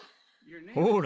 ・ほら。